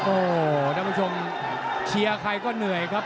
โอ้โหท่านผู้ชมเชียร์ใครก็เหนื่อยครับ